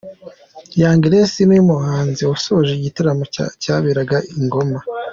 Young Grace niwe muhanzi wasoje igitaramo cyaberaga i Ngoma.